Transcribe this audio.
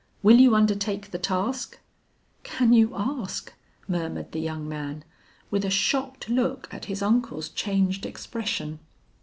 Will you undertake the task?" "Can you ask?" murmured the young man, with a shocked look at his uncle's changed expression.